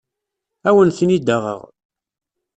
Ad awen-ten-id-aɣeɣ.